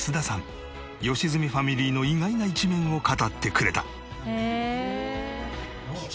良純ファミリーの意外な一面を語ってくれた。